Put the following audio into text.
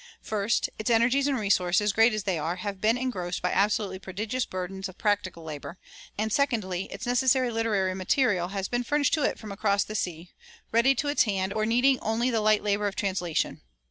First, its energies and resources, great as they are, have been engrossed by absolutely prodigious burdens of practical labor; and secondly, its necessary literary material has been furnished to it from across the sea, ready to its hand, or needing only the light labor of translation.